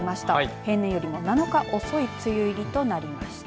平年よりも７日遅い梅雨入りとなりました。